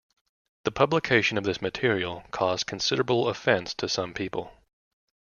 The publication of this material caused considerable offence to some people.